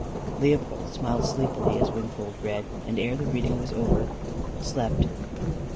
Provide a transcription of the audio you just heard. Leopold smiled sleepily as Wingfold read, and ere the reading was over, slept.